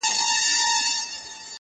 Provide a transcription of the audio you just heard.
شراکت خو له کمزورو سره ښایي-